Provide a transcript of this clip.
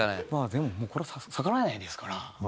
でもこれは逆らえないですから。